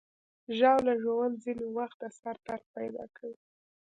ژاوله ژوول ځینې وخت د سر درد پیدا کوي.